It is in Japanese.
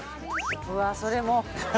うわそれも。